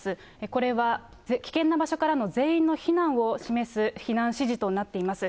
これは危険な場所からの全員の避難を示す避難指示となっています。